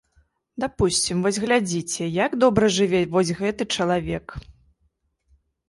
Дапусцім, вось глядзіце, як добра жыве вось гэты чалавек.